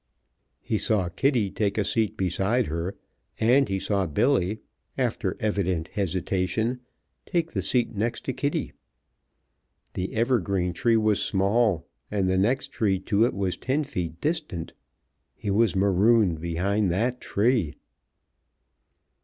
He saw Kitty take a seat beside her, and he saw Billy, after evident hesitation, take the seat next to Kitty. The evergreen tree was small, and the next tree to it was ten feet distant. He was marooned behind that tree.